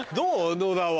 野田は。